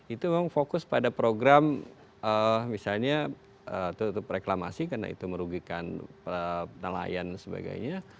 itu memang fokus pada program misalnya tutup reklamasi karena itu merugikan nelayan dan sebagainya